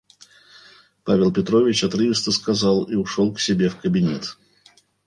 Павел Петрович отрывисто сказал и ушел к себе в кабинет.